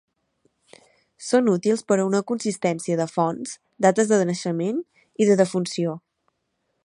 Són útils per a una consistència de fonts, dates de naixement i de defunció.